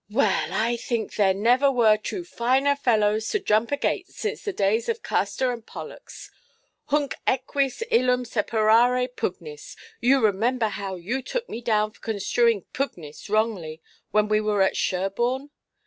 "Well, I think there never were two finer fellows to jump a gate since the days of Castor and Pollux. 'Hunc equis, illum superare pugnis.' You remember how you took me down for construing 'pugnis' wrongly, when we were at Sherborne"?